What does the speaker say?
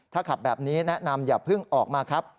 ถ้าขับแบบนี้แนะนำอย่าเพิ่งออกมาครับ